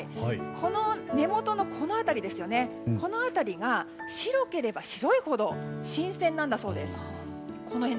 この根元のこの辺りが白ければ白いほど新鮮なんだそうです。